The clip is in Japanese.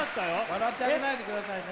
笑ってあげないで下さいね。